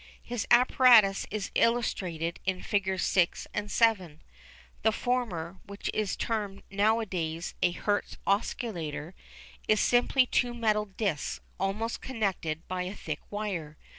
His apparatus is illustrated in Figs. 6 and 7. The former, which is termed nowadays a "Hertz Oscillator," is simply two metal discs almost connected by a thick wire.